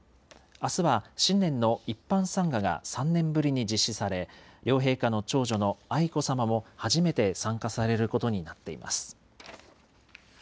あすは新年の一般参賀が３年ぶりに実施され、両陛下の長女の愛子さまも初めて参加されることになっています。